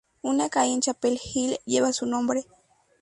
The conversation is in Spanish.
Una calle en Chapel Hill lleva su nombre.